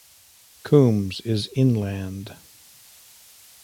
Coombes is inland.